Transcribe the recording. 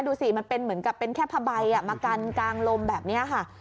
ดูซิเหมือนกับเป็นแค่ภะใบมากันกาลงลมแบบนี้ค่ะ